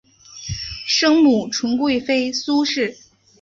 生母纯贵妃苏氏。